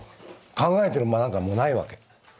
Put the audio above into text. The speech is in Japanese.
考えてる間なんかないわけ。